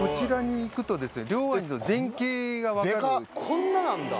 こんななんだ。